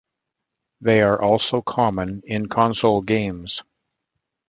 They are also common in console games.